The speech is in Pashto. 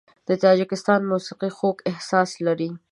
د تاجکستان موسیقي خوږ احساس لري.